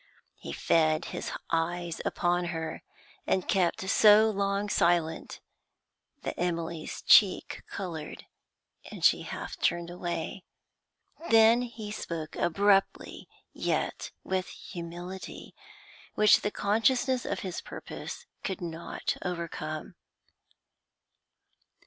He fed his eyes upon her, and kept so long silent that Emily's cheek coloured, and she half turned away. Then he spoke abruptly, yet with humility, which the consciousness of his purpose could not overcome.